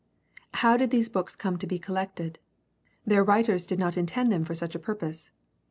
How did these books come to be collected ? Their writers did not intend them for such a purpose.